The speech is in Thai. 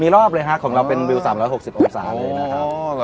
รอบเลยฮะของเราเป็นวิว๓๖๐องศาเลยนะครับ